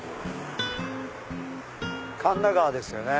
神田川ですよね。